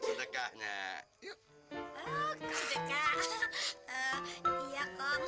lu tega banget sih selingkuh di depan mata abang